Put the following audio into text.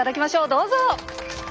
どうぞ！